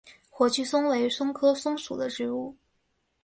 火炬松为松科松属的植物。